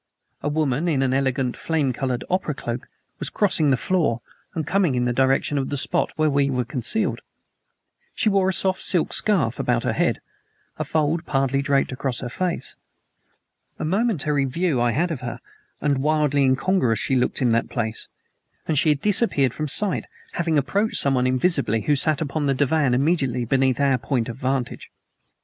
A woman in an elegant, flame colored opera cloak was crossing the floor and coming in the direction of the spot where we were concealed. She wore a soft silk scarf about her head, a fold partly draped across her face. A momentary view I had of her and wildly incongruous she looked in that place and she had disappeared from sight, having approached someone invisible who sat upon the divan immediately beneath our point of vantage.